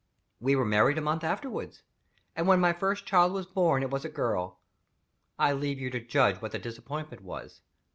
We were married a month afterward and when my first child was born it was a girl. I leave you to judge what the disappointment was!